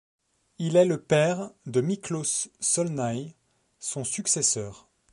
Il est le père de Miklós Zsolnay, son successeur.